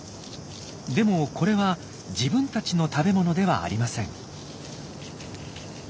でもこれは自分たちの食べ物ではありません。